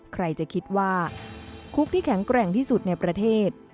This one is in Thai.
ใครจะคิดว่าคุกที่แข็งแกร่งที่สุดในประเทศ